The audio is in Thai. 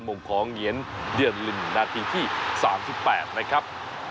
หม่มของเงียนเรียนลิ่นนาฬิกที่๓๘นะครับ